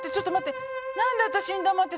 何で私に黙ってそんな。